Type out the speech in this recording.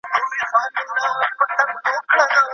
نهنګ 🐋